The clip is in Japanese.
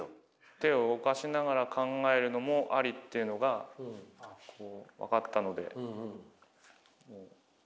手を動かしながら考えるのもありっていうのがこう分かったので。